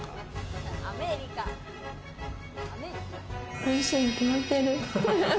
おいしいに決まってる。